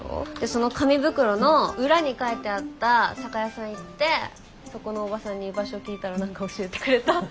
その紙袋の裏に書いてあった酒屋さん行ってそこのおばさんに場所聞いたら何か教えてくれた。